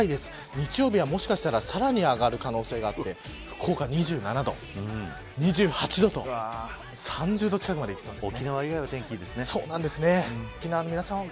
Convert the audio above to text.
日曜日も、もしかしたらさらに上がる可能性があるので福岡２７度２８度と３０度近くまでいきそうです。